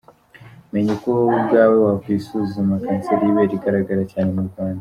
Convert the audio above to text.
Menya uko wowe ubwawe wakwisuzuma kanseri y’ ibere igaragara cyane mu Rwanda .